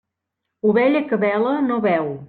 Ovella que bela no beu.